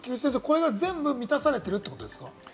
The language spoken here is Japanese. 全部満たされてるってことですか？